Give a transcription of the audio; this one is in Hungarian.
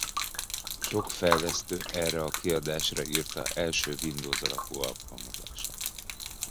Sok fejlesztő erre a kiadásra írta első Windows-alapú alkalmazását.